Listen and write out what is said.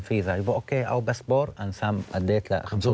มีใครต้องจ่ายค่าคุมครองกันทุกเดือนไหม